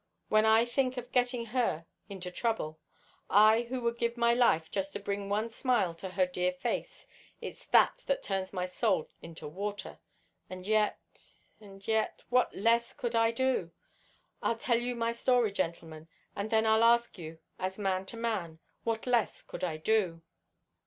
When I think of getting her into trouble, I who would give my life just to bring one smile to her dear face, it's that that turns my soul into water. And yet—and yet—what less could I do? I'll tell you my story, gentlemen, and then I'll ask you as man to man what less could I do.